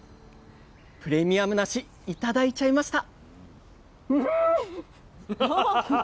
プレミアムなし頂いちゃいました！